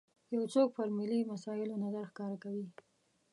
یو څوک پر ملي مسایلو نظر ښکاره کوي.